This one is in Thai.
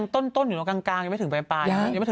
ต้นอยู่ตรงกลางยังไม่ถึงปลาย